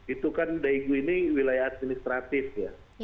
itu kan daegu ini wilayah administratif ya